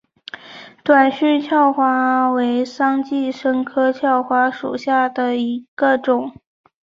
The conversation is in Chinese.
短序鞘花为桑寄生科鞘花属下的一个种。